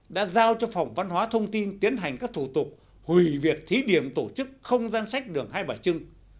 đã giao cho phòng văn hóa thông tin tiến hành các thủ tục hủy việc thí điểm tổ chức không gian sách đường hai bà trưng